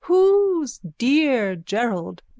Who's dear Gerald?